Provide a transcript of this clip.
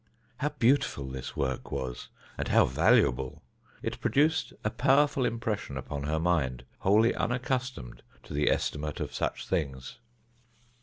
How beautiful this work was and how valuable! It produced a powerful impression upon her mind, wholly unaccustomed to the estimate of such things.